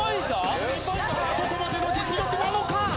さあどこまでの実力なのか！？